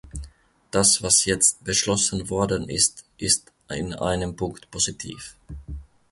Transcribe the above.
Das, was jetzt beschlossen worden ist, ist in einem Punkt positiv.